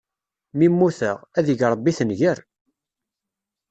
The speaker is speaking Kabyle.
Mi mmuteɣ, ad ig Ṛebbi tenger!